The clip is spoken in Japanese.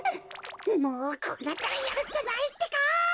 もうこうなったらやるっきゃないってか。